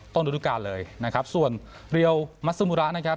ฤดูการเลยนะครับส่วนเรียลมัสมุระนะครับ